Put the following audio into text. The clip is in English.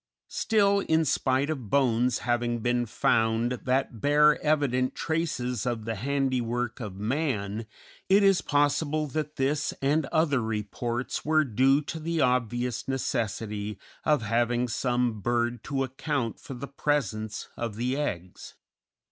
Still, in spite of bones having been found that bear evident traces of the handiwork of man, it is possible that this and other reports were due to the obvious necessity of having some bird to account for the presence of the eggs.